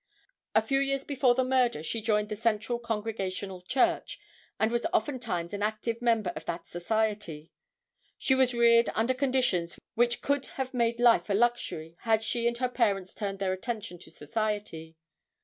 A few years before the murder she joined the Central Congregational church and was ofttimes an active member of that society. She was reared under conditions which could have made life a luxury had she and her parents turned their attention to society.